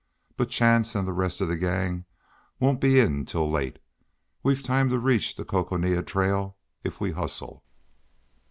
But Chance and the rest of the gang won't be in till late. We've time to reach the Coconina Trail, if we hustle."